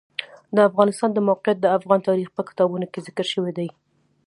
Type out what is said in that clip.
د افغانستان د موقعیت د افغان تاریخ په کتابونو کې ذکر شوی دي.